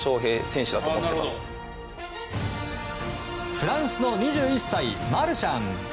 フランスの２１歳マルシャン。